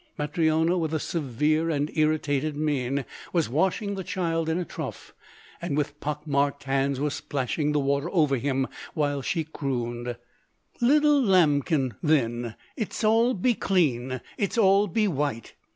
Matryona with a severe and irritated mien was washing the child in a trough, and with pock marked hands was splashing the water over him, while she crooned: "Little lambkin, then, it s'all be clean. It s'all be white."